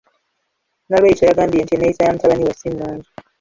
Nalweyiso yagambye nti enneeyisa ya mutabani we si nnungi.